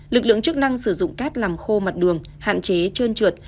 lực lượng chức năng sử dụng cát làm khô mặt đường hạn chế trơn trượt